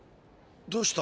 どうした？